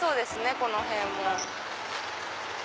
この辺も。